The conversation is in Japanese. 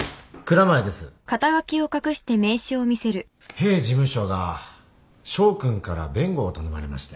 弊事務所が翔君から弁護を頼まれまして。